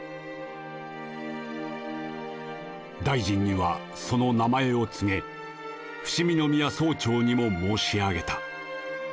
「大臣にはその名前を告げ伏見宮総長にも申し上げた」。